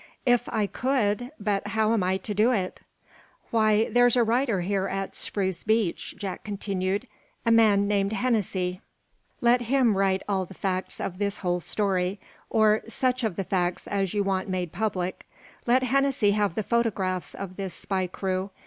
"If I could! But how am I to do it?" "Why, there's a writer here at Spruce Beach," Jack continued; "a man named Hennessy. Let him write all the facts of this whole story, or such of the facts as you want made public. Let Hennessy have the photographs of this spy crew.